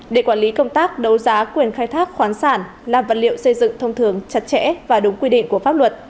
để quản lý công tác đấu giá quyền khai thác khoán sản làm vật liệu xây dựng thông thường chặt chẽ và đúng quy định của pháp luật